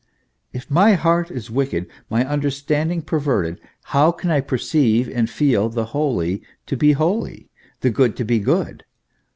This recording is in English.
If my heart is wicked, my understanding perverted, how can I perceive and feel the holy to be holy, the good to be good?